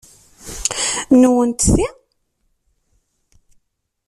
Nwent ti?